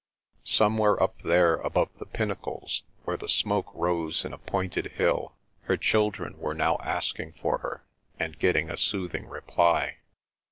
Somewhere up there above the pinnacles where the smoke rose in a pointed hill, her children were now asking for her, and getting a soothing reply.